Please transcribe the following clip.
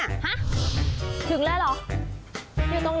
ฮะถึงแล้วเหรอ